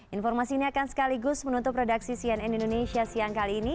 informasinya akan sekaligus menutup redaksi sian indonesia siang kali ini